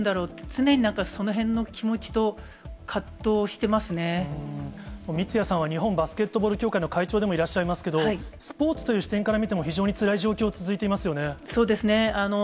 常になんかそのへんの気持ちと葛三屋さんは、日本バスケットボール協会の会長でもいらっしゃいますけど、スポーツという視点から見ても非常につらい状況、そうですね。